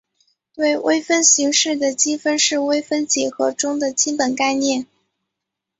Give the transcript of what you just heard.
对微分形式的积分是微分几何中的基本概念。